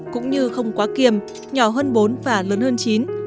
cũng như không quá kiềm nhỏ hơn bốn và lớn hơn chín